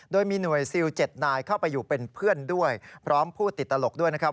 โดยมีหน่วยซิล๗นายเข้าไปอยู่เป็นเพื่อนด้วยพร้อมพูดติดตลกด้วยนะครับ